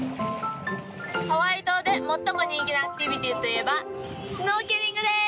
ハワイ島で最も人気なアクティビティーといえばシュノーケリングです！